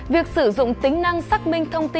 việc sử dụng tính năng xác minh thông tin